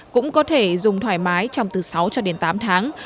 cũng có thể dùng thoải mái trong từ sáu cho đến tám tháng